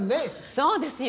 そうですよ。